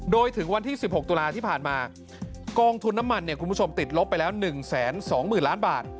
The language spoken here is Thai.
โดยถึงวันที่๑๖ตุลาที่ผ่านมากองทุนน้ำมันเนี่ยคุณผู้ชมติดลบไปแล้ว๑๒๐๐๐ล้านบาท